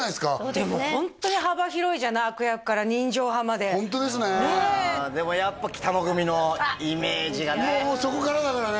でもホントに幅広いじゃない悪役から人情派までホントですねねえでもやっぱ北野組のイメージがねもうそこからだからね